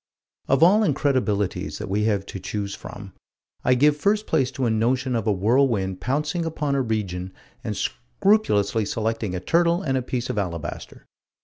Of all incredibilities that we have to choose from, I give first place to a notion of a whirlwind pouncing upon a region and scrupulously selecting a turtle and a piece of alabaster.